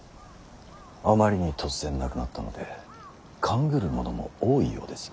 あまりに突然亡くなったので勘ぐる者も多いようです。